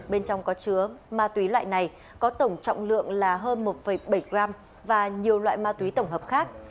bên trong có chứa ma túy loại này có tổng trọng lượng là hơn một bảy gram và nhiều loại ma túy tổng hợp khác